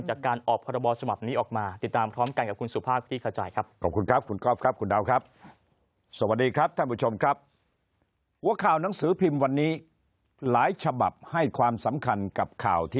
จากการออกพระบอสมัตินี้ออกมา